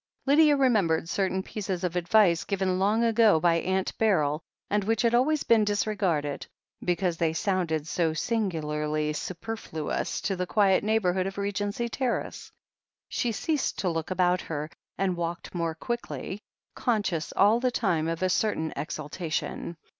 Lydia remembered certain pieces of advice given long ago by Atmt Beryl, and which had always been disregarded, because they sounded so singularly super fluous to the quiet neighbourhood of Regency Terrace. She ceased to look about her, and walked more quickly, conscious all the time of a certain exultation.